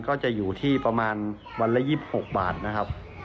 ก็จะอยู่ที่ประมาณวันละ๒๖บาทนะครับ